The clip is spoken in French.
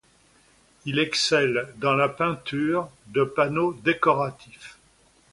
Il excelle dans la peinture de panneaux décoratifs.